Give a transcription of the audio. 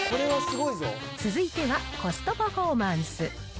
続いてはコストパフォーマンス。